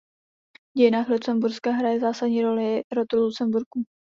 V dějinách Lucemburska hraje zásadní roli rod Lucemburků.